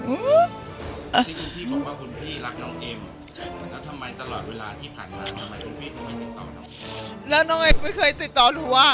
และทำไมนั้งเอ็มไม่เคยติดต่อลูกว่ะ